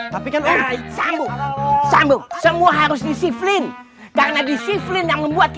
tidak mau bahas bahas jangan jauh sambung